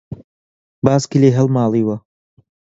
باسکی لێ هەڵماڵیوە